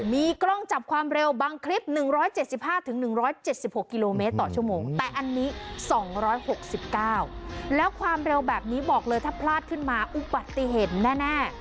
มีกล้องจับความเร็วบางคลิป๑๗๕๑๗๖กิโลเมตรต่อชั่วโมง